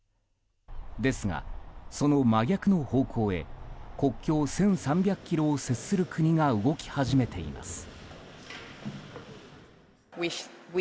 ですが、その真逆の方向へ国境１３００ｋｍを接する国が動き始めています。